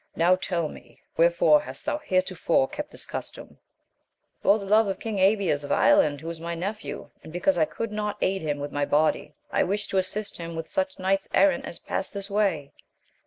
Now tell me, wherefore hast thou heretofore kept this custom ?— For the love of King Abies of Ireland, who is my nephew, and because I could not aid him with my body, I wished to assist him with such knights errant as passed this way.